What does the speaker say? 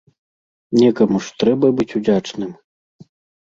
Некаму ж трэба быць удзячным.